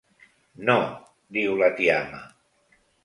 No –diu la tiama.